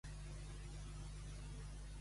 Amb la vara alta.